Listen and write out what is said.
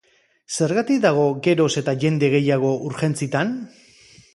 Zergatik dago geroz eta jende gehiago urgentzitan?